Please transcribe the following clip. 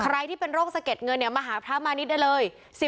ใครที่เป็นโรคสะเก็ดเงินเนี่ยมาหาพระมาณิชย์ได้เลย